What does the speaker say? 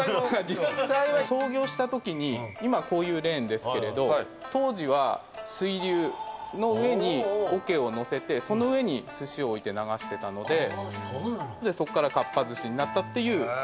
実際は創業した時に今こういうレーンですけれど当時は水流の上に桶を乗せてその上に寿司を置いて流してたのでそこから「かっぱ寿司」になったっていう。